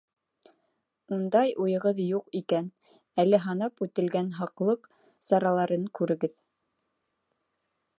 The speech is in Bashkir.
Ундай уйығыҙ юҡ икән, әле һанап үтелгән һаҡлыҡ сараларын күрегеҙ.